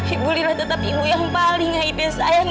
ibu lila tetap ibu yang paling aida sayang